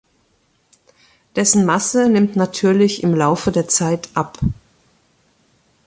Dessen Masse nimmt natürlich im Laufe der Zeit ab.